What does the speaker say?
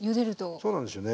そうなんですよね。